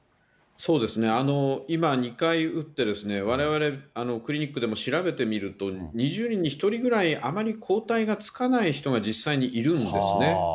そうですね、今、２回打ってわれわれ、クリニックでも調べてみると、２０人に１人ぐらい、あまり抗体がつかない人が実際にいるんですね。